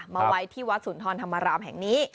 มาไว้ที่วัดสุนทรธรรมรามแห่งนี้